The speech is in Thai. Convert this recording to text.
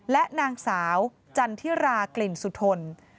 และนางสาวจันทิรากลิ่นสุทน